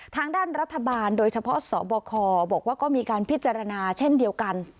ทางด้านรัฐบาลโดยเฉพาะสบคบอกว่าก็มีการพิจารณาเช่นเดียวกัน